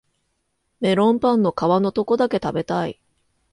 メロンパンの皮のとこだけ食べたい